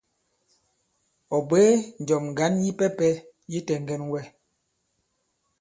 Ɔ̀ bwě njɔ̀m ŋgǎn yipɛpɛ yi tɛŋgɛn wɛ.